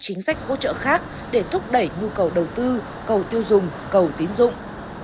tích cực các chính sách hỗ trợ khác để thúc đẩy nhu cầu đầu tư cầu tiêu dùng cầu tiến dụng